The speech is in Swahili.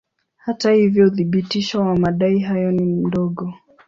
Hata hivyo uthibitisho wa madai hayo ni mdogo.